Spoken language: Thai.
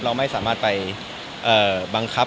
เราไม่สามารถไปบังคับ